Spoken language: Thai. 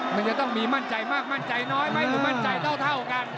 มันจะต้องมีมั่นใจมากมั่นใจน้อยไหมหรือมั่นใจเท่ากัน